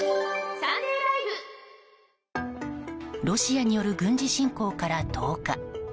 ロシアによる軍事侵攻から１０日。